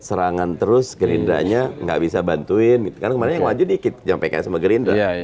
serangan terus gerindanya nggak bisa bantuin karena kemarin yang wajib dikit jangan pks sama gerindra